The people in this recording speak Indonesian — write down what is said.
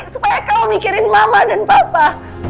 supaya kau mikirin mama dan papa